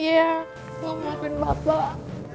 iya ibu maafin bapak